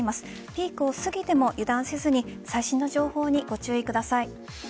ピークを過ぎても油断せずに最新の情報にご注意ください。